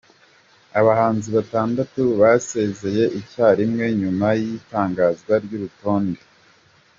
Abahanzi batandatu basezeye icyarimwe nyuma y’itangazwa ry’urutonde